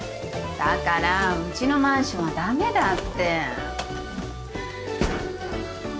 だからうちのマンションは駄目だって。